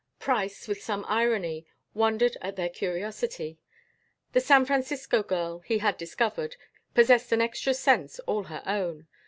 Price, with some irony, wondered at their curiosity. The San Francisco girl, he had discovered, possessed an extra sense all her own.